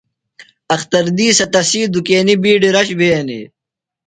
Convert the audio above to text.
اختر دِیسہ تسی دُکینیۡ بِیڈیۡ رش بھینیۡ۔